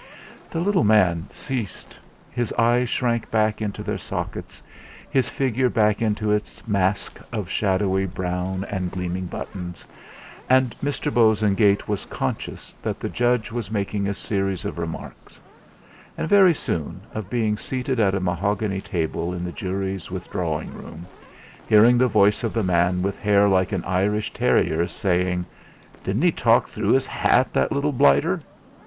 The little man ceased, his eyes shrank back into their sockets, his figure back into its mask of shadowy brown and gleaming buttons, and Mr. Bosengate was conscious that the judge was making a series of remarks; and, very soon, of being seated at a mahogany table in the jury's withdrawing room, hearing the voice of the man with hair like an Irish terrier's saying: "Didn't he talk through his hat, that little blighter!"